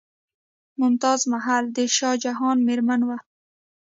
ممتاز محل د شاه جهان میرمن وه.